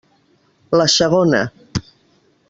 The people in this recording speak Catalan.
La segona.